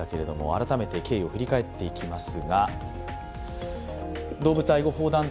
改めて経緯を振り返っていきます。